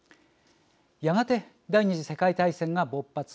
やがて第２次世界大戦が勃発。